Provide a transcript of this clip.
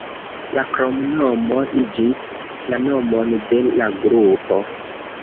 La kromnomo iĝis la nomon de la grupo.